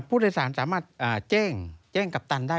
ผู้โดยสารสามารถแจ้งกัปตันได้